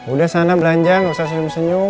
udah sana belanja nggak usah senyum senyum